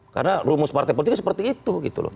karena rumus partai politiknya seperti itu